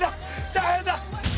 大変だ！